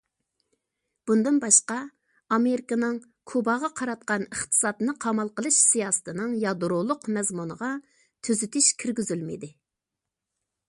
بۇندىن باشقا، ئامېرىكىنىڭ كۇباغا قاراتقان ئىقتىسادنى قامال قىلىش سىياسىتىنىڭ يادرولۇق مەزمۇنىغا تۈزىتىش كىرگۈزۈلمىدى.